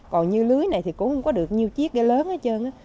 còn như lưới này thì cũng không có được nhiều chiếc ghe lớn hết trơn á